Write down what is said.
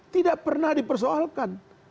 tidak pernah dipersoalkan